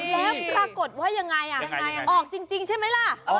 แล้วปรากฏว่ายังไงออกจริงใช่ไหมล่ะ